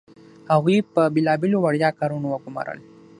هغوی یې په بیلابیلو وړيا کارونو وګمارل.